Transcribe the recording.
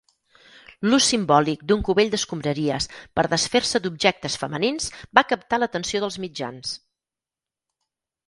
L'ús simbòlic d'un cubell d'escombraries per desfer-se d'objectes femenins va captar l'atenció dels mitjans.